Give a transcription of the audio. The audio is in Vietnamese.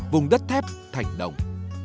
vùng đất thép thành đồng